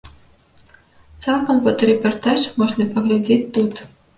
Цалкам фотарэпартаж можна паглядзець тут.